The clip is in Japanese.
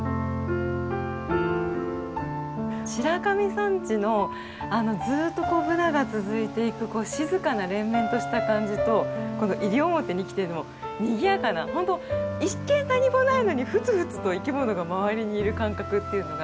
白神山地のずっとブナが続いていく静かな連綿とした感じとこの西表に来てのにぎやかなほんと一見何もないのにふつふつと生き物が周りにいる感覚っていうのが。